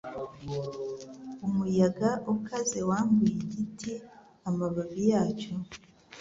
Umuyaga ukaze wambuye igiti amababi yacyo.